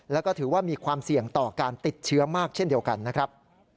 แล้วก็ถือว่ามีความเสี่ยงต่อการติดเชื้อมากเช่นเดียวกันนะครับ